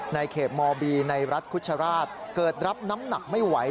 ในเขตมบีในรัฐคุชราชเกิดรับน้ำหนักไม่ไหว